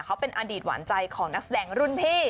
เขาเป็นอดีตหวานใจของนักแสดงรุ่นพี่